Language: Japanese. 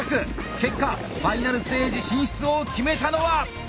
結果Ｆｉｎａｌステージ進出を決めたのは。